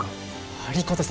有功様！